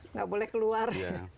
nggak boleh keluar